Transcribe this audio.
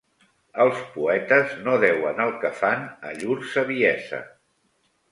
Els poetes no deuen el que fan a llur saviesa.